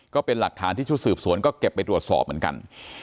ก็เป็นหลักฐานที่ชุดสืบสวนก็เก็บไปตรวจสอบเหมือนกัน